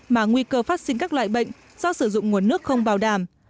mà nguy cơ phát sinh các loại bệnh do sử dụng nguồn nước không bảo đảm